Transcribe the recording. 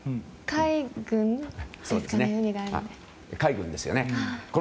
海軍ですよね。